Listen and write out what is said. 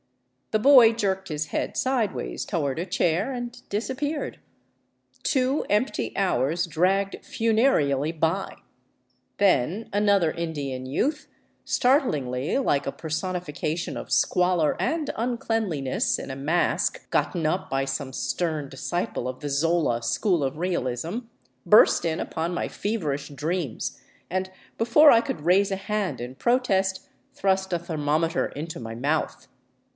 The boy jerked his head sidewise toward a chair and disappeared. Two empty hours dragged funereally by. Then another Indian youth, startlingly like a personification of squalor and uncleanliness in a masque gotten up by some stern disciple of the Zola school of realism, burst in upon my feverish dreams, and before I could raise a hand in protest thrust a thermometer into my mouth.